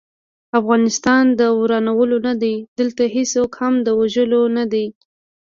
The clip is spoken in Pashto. افغانستان د ورانولو نه دی، دلته هيڅوک هم د وژلو نه دی